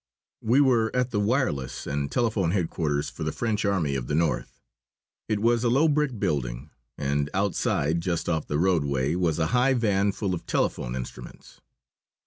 We were at the wireless and telephone headquarters for the French Army of the North. It was a low brick building, and outside, just off the roadway, was a high van full of telephone instruments.